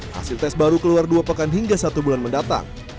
hasil tes baru keluar dua pekan hingga satu bulan mendatang